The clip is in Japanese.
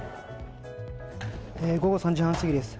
午後３時半過ぎです。